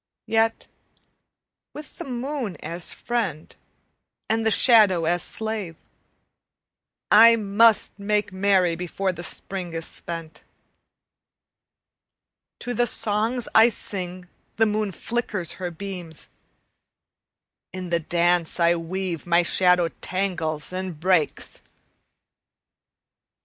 Yet with the moon as friend and the shadow as slave I must make merry before the Spring is spent. To the songs I sing the moon flickers her beams; In the dance I weave my shadow tangles and breaks.